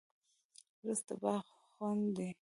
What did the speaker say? رس د باغ خوند دی